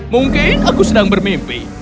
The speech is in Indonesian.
mungkin aku sedang bermimpi